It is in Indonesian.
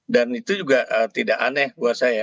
dan itu juga tidak aneh buat saya